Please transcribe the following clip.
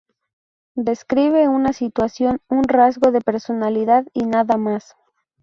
Describe una situación, un rasgo de personalidad y nada más.